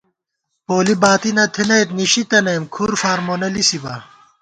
پولی باتی نہ تھنَئیت نِشی تنَئیم کھُر فار مونہ لِسِبا